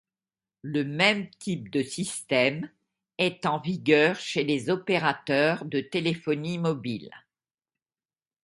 Le même type de système est en vigueur chez les opérateurs de téléphonie mobile.